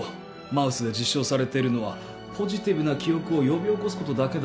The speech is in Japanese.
マウスで実証されてるのはポジティブな記憶を呼び起こすことだけだ。